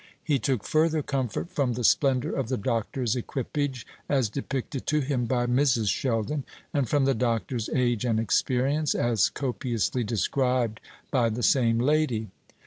He took further comfort from the splendour of the doctor's equipage, as depicted to him by Mrs. Sheldon; and from the doctor's age and experience, as copiously described by the same lady.